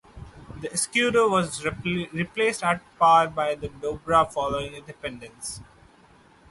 The escudo was replaced at par by the dobra following independence.